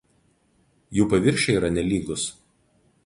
Jų paviršiai yra nelygūs.